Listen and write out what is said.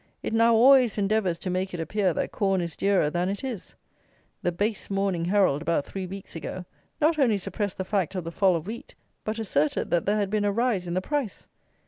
It now always endeavours to make it appear that corn is dearer than it is. The base Morning Herald, about three weeks ago, not only suppressed the fact of the fall of wheat, but asserted that there had been a rise in the price.